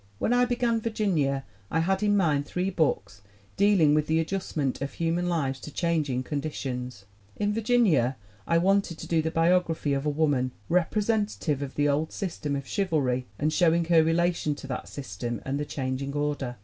When I began Virginia I had in mind three books dealing with the adjustment of human lives to changing conditions. "In Virginia I wanted to do the biography of a woman, representative of the old system of chivalry and showing her relation to that system and the changing order.